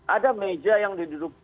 ada meja yang diduduk